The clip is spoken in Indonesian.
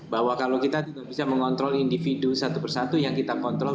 bahwa kalau kita tidak bisa mengontrol individu satu persatu yang kita kontrol